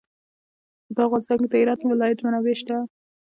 په افغانستان کې د هرات ولایت منابع شته.